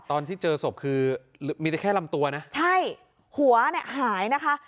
ตอนที่เจอศพคือมีแต่แค่ลำตัวนะใช่หัวเนี่ยหายนะคะ